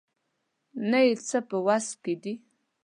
نه یې څه په وسه دي.